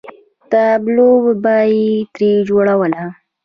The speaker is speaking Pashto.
تابلو به یې ترې جوړوله.